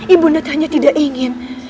ibu nda hanya tidak ingin